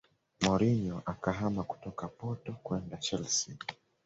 Mourinho akahama kutoka porto kwenda Chelsea